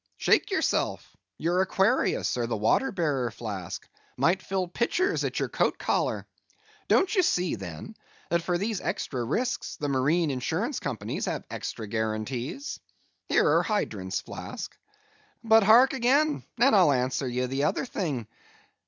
Shake yourself; you're Aquarius, or the water bearer, Flask; might fill pitchers at your coat collar. Don't you see, then, that for these extra risks the Marine Insurance companies have extra guarantees? Here are hydrants, Flask. But hark, again, and I'll answer ye the other thing.